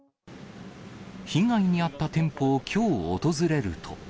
被害に遭った店舗をきょう、訪れると。